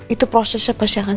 itu prosesnya pasti akan